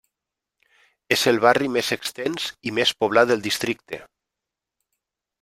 És el barri més extens i més poblat del districte.